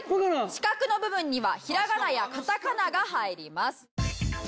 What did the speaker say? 四角の部分にはひらがなやカタカナが入ります。